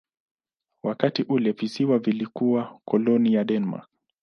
Wakati ule visiwa vilikuwa koloni ya Denmark.